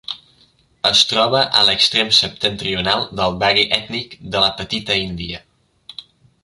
Es troba a l'extrem septentrional del barri ètnic de la Petita Índia.